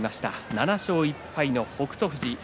７勝１敗の北勝富士。